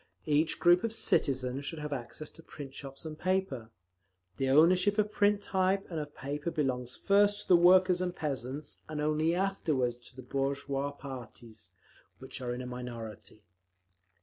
Each group of citizens should have access to print shops and paper…. The ownership of print type and of paper belongs first to the workers and peasants, and only afterwards to the bourgeois parties, which are in a minority….